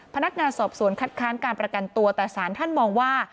พนักงานสอบสวนคัดค้านการประกันตัวแต่สารท่านมองว่า